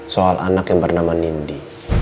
soal anak yang bernama nindi